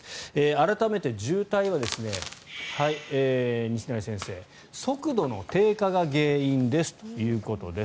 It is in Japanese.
改めて渋滞は西成先生速度の低下が原因ですということです。